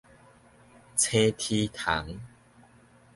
青苔蟲